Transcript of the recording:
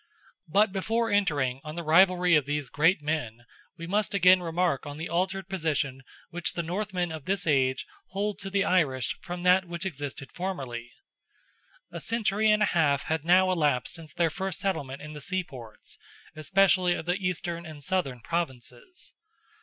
But before entering on the rivalry of these great men, we must again remark on the altered position which the Northmen of this age hold to the Irish from that which existed formerly. A century and a half had now elapsed since their first settlement in the seaports, especially of the eastern and southern Provinces.